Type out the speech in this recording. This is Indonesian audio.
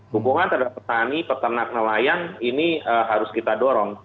dukungan terhadap petani peternak nelayan ini harus kita dorong